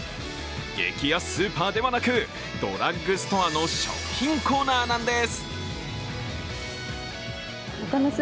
激安スーパーではなく、ドラッグストアの食品コーナーなんです。